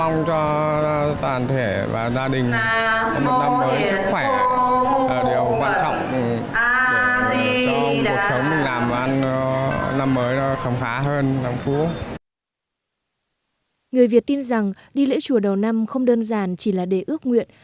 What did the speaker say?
người việt tin rằng đi lễ chùa đầu năm không đơn giản chỉ là để ước nguyện